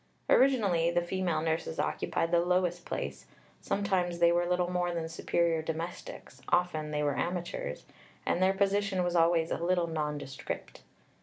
Originally the female nurses occupied the lowest place; sometimes they were little more than superior domestics, often they were amateurs, and their position was always a little nondescript.